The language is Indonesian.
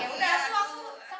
dengan ada nama ku disebut